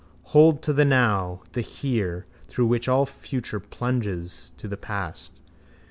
Hold to the now, the here, through which all future plunges to the past.